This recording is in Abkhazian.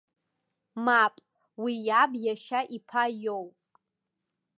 Мап, уи иаб иашьа иԥа иоуп.